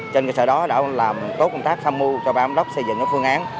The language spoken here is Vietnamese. trên cái sở đó đã làm tốt công tác thăm mưu cho bám đốc xây dựng các phương án